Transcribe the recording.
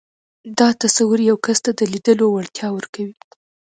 دا تصور يو کس ته د ليدلو وړتيا ورکوي.